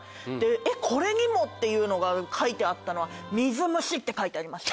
えっこれにも！っていうのが書いてあったのは。って書いてありました。